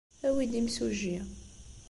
Awi-d imsujji.